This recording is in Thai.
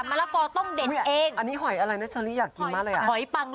มะละกอต้มเดชเอง